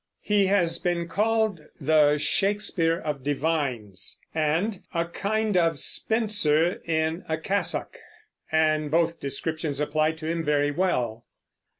He has been called "the Shakespeare of divines," and "a kind of Spenser in a cassock," and both descriptions apply to him very well.